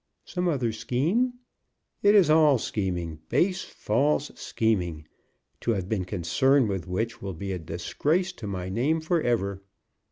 "Some other scheme?" "It is all scheming, base, false scheming, to have been concerned with which will be a disgrace to my name forever!"